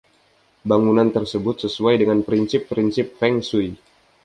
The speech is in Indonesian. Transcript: Bangunan tersebut sesuai dengan prinsip-prinsip feng shui.